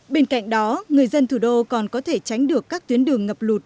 bên cạnh đó người dân thủ đô còn có thể tránh được các tuyến đường ngập lụt